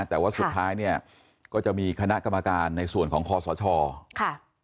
แต่ว่าสุดท้ายเนี่ยก็จะมีคณะกรรมการในส่วนของคอสชค่ะ